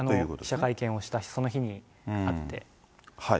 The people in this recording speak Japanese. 記者会見をしたその日に会って。